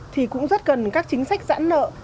thì cũng rất cần các chính sách giãn nợ